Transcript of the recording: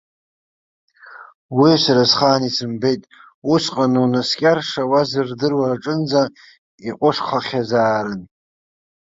Уи сара схаан исымбеит, усҟан унаскьар шауаз рдыруа аҿынӡа иҟәышхахьазаарын.